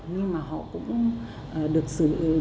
nhưng mà họ cũng được sự